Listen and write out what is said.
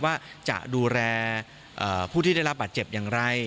ว่าจะดูแลผู้ที่ได้รับบาดเจ็บอย่างไร